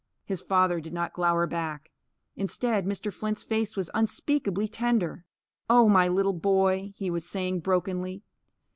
His father did not glower back. Instead, Mr. Flint's face was unspeakably tender. "Oh, my little boy!" he was saying, brokenly.